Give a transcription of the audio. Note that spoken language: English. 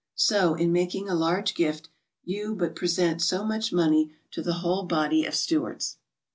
So, in making a large gift, you but present so much money to the whole body of stewards.